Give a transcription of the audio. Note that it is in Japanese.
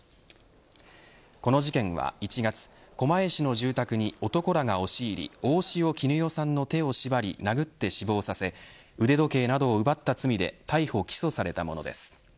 この事件は１月、狛江市の住宅に男らが押し入り大塩衣与さんの手を縛り殴って死亡させ腕時計などを奪った罪で逮捕起訴されたものです。